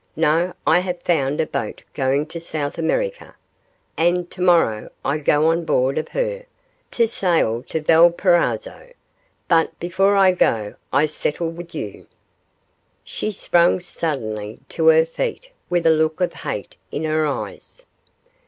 No; I have found a boat going to South America, and to morrow I go on board of her, to sail to Valparaiso; but before I go I settle with you.' She sprang suddenly to her feet with a look of hate in her eyes.